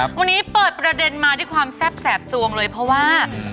วันนี้เปิดประเด็นมาที่ความทรัพย์แสบตรวงเลยเพราะว่า